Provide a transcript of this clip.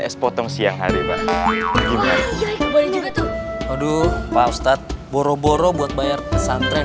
es potong siang hari banget gimana ya itu boleh juga tuh aduh pak ustadz boro boro buat bayar pesantren